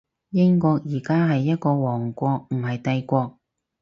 英國而家係一個王國，唔係帝國